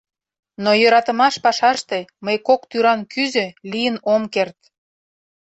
Но йӧратымаш пашаште мый кок тӱран кӱзӧ лийын ом керт.